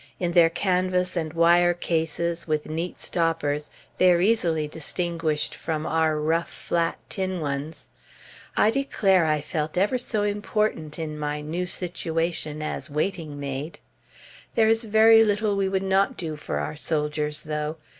In their canvas and wire cases, with neat stoppers, they are easily distinguished from our rough, flat, tin ones. I declare I felt ever so important in my new situation as waiting maid! There is very little we would not do for our soldiers, though.